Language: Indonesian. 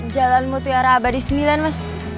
jalan mutiara abadi sembilan mas